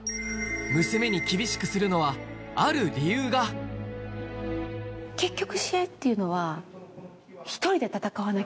娘に厳しくするのはある理由が結局。